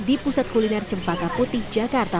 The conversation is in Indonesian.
di pusat kuliner cempaka putih jakarta